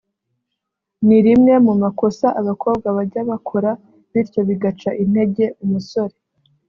ni rimwe mu makosa abakobwa bajya bakora bityo bigaca intege umusore